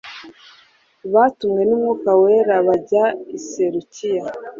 batumwe n’Umwuka Wera bajya i Selukiya.